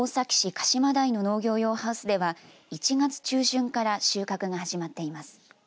鹿島台の農業用ハウスでは１月中旬から収穫が始まっています。